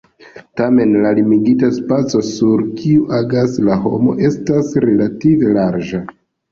Tamen la limigita spaco, sur kiu agas la homo, estas relative larĝa.